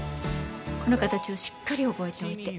この形をしっかり覚えておいて。